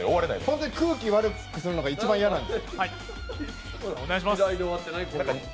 本当に空気悪くするのが一番嫌なんで。